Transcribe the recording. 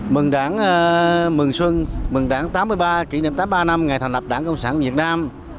mừng đảng mừng xuân mừng đảng tám mươi ba kỷ niệm tám mươi ba năm ngày thành lập đảng cộng sản việt nam